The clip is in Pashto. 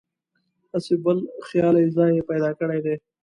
هسې بل خیالي ځای یې پیدا کړی دی.